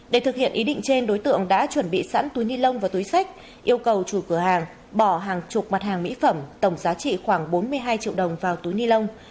để thực hiện ý định trên đối tượng đã chuẩn bị sẵn túi ni lông và túi sách yêu cầu chủ cửa hàng bỏ hàng chục mặt hàng mỹ phẩm tổng giá trị khoảng bốn mươi hai triệu đồng vào túi ni lông